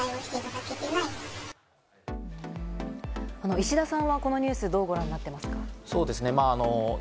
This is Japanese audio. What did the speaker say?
石田さんはこのニュース、どうご覧になっていますか？